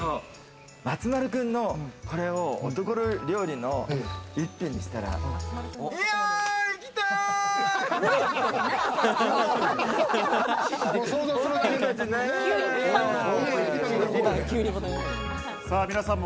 松丸君の、これを男の料理の１品にしたら、いやん！